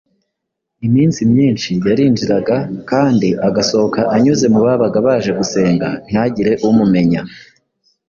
Iminsi myinshi yarinjiraga kandi agasohoka anyuze mu babaga baje gusenga ntihagire umumenya;